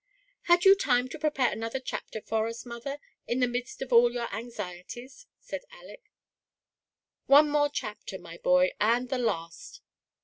"Had you time to prepare another chapter for us, mother, in the midst of aU your anxieties ?" said Aleck. " One more chapter, my boy, and the last."